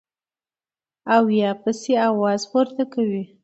او يا پسې اواز پورته کوي -